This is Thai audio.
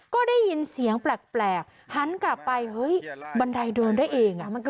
ก็ได้ยินเสียงแปลกหันกลับไปเฮ้ยบันไดเดินได้เอง